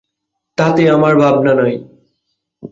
তাতে আমার ভাবনা নেই।